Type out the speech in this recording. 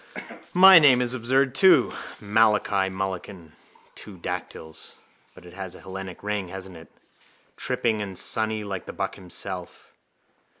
—My name is absurd too: Malachi Mulligan, two dactyls. But it has a Hellenic ring, hasn't it? Tripping and sunny like the buck himself.